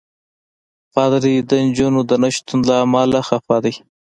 پادري د نجونو د نه شتون له امله خفه دی.